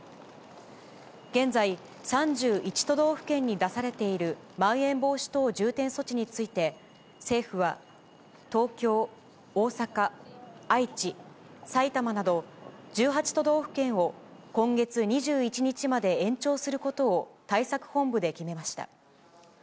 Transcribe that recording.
現在、３１都道府県に出されている、まん延防止等重点措置について、政府は東京、大阪、愛知、埼玉など、１８都道府県を今月２１日まで延長することを対策本部で決めました。